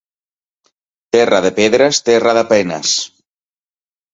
Terra de pedres, terra de penes.